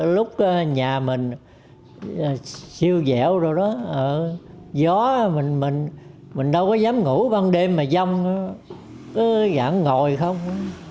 lúc nhà mình siêu dẻo rồi đó gió mình đâu có dám ngủ ban đêm mà dông cứ dãn ngồi không